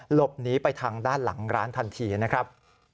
หลบหนีไปทางด้านหลังร้านทันทีนะครับ